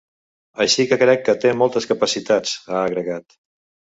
“Així que crec que té moltes capacitats”, ha agregat.